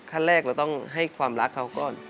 ขั้นแรกเราต้องให้ความรักเขาก่อน